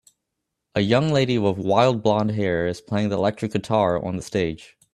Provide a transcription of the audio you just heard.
A young lady with wild blondhair is playing the electric guitar on the stage